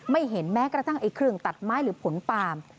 ไม่เห็นแม้กระทั่งไอ้เครื่องตัดไม้หรือผลปาล์ม